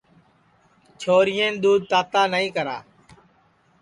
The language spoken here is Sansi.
چھورین دؔودھ تاتا نائی کرا